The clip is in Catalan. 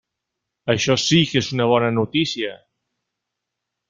Això sí que és una bona notícia.